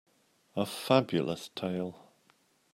A Fabulous tale